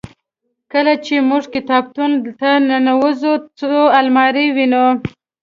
کله چې موږ کتابتون ته ننوزو څو المارۍ وینو.